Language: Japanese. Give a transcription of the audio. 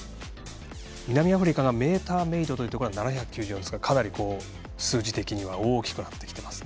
南アフリカがメーターメイドというところが７９４でかなり数字的には大きくなっています。